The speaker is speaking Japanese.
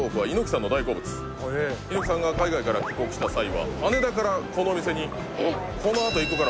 猪木さんが海外から帰国した際は羽田からこのお店に「このあと行くからもう」